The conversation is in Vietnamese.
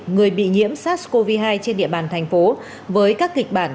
người bị nhiễm sars cov hai trên địa bàn thành phố với các kịch bản